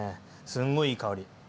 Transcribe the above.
すんごいいい香り。